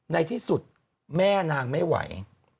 ในที่สุดแม่นางไม่ไหว